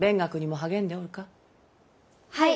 はい。